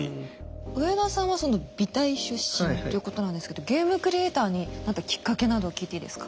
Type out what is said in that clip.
上田さんはその美大出身ということなんですけどゲームクリエイターになったきっかけなど聞いていいですか？